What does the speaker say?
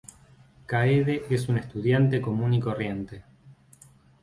Kaede es una estudiante común y corriente.